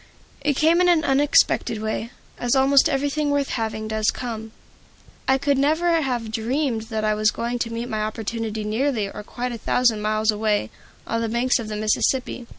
It came in an unexpected way, as almost everything worth having does come. I could never have dreamed that I was going to meet my opportunity nearly or quite a thousand miles away, on the banks of the Mississippi.